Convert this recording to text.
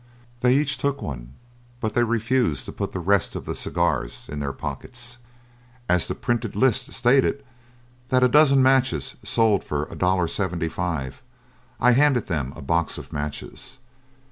They each took one, but they refused to put the rest of the cigars in their pockets. As the printed list stated that a dozen matches sold for $1.75, I handed them a box of matches.